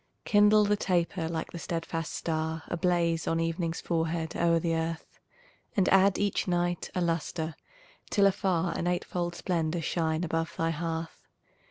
Kindle the taper like the steadfast star Ablaze on evening's forehead o'er the earth, And add each night a lustre till afar An eightfold splendor shine above thy hearth.